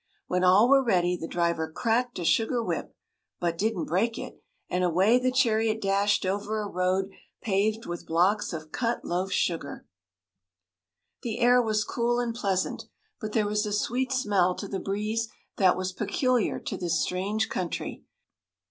When all were ready the driver cracked a sugar whip (but didn't break it), and away the chariot dashed over a road paved with blocks of cut loaf sugar. The air was cool and pleasant, but there was a sweet smell to the breeze that was peculiar to this strange country.